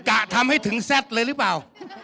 จะทำให้ถึงแซ่ดเลยหรือเปล่า